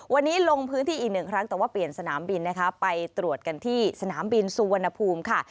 วันนี้ลงพื้นที่อีกหนึ่งครั้งแต่ว่าเปลี่ยนสนามบินนะคะไปตรวจกันที่สนามบินสุวรรณภูมิค่ะ